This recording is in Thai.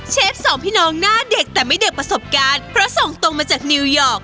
สองพี่น้องหน้าเด็กแต่ไม่เด็กประสบการณ์เพราะส่งตรงมาจากนิวยอร์ก